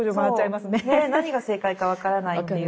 何が正解か分からないっていう。